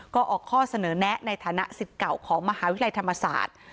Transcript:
ก็ออกข้อเสนอแนะในฐานะสิทธิ์เก่าของมหาวิทยาลัยธรรมศาสตร์